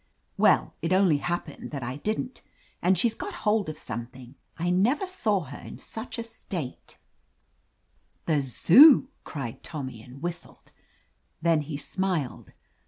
"Well, it only happened that L didn't And she's got hold of something: I never saw her in such a state," "The Zoo!" cried Tommy and whistled. Then he smiled.